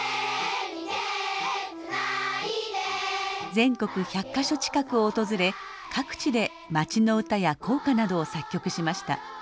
全国１００か所近くを訪れ各地で町の歌や校歌などを作曲しました。